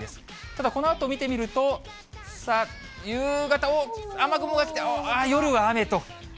ただ、このあと見てみると、さあ、夕方、おっ、雨雲が来て、夜は雨と。